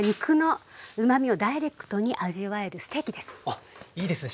あっいいですね。